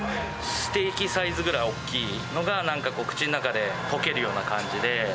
ステーキサイズぐらいおっきいのが、なんか口の中で溶けるような感じで。